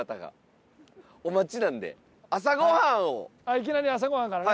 いきなり朝ご飯からね。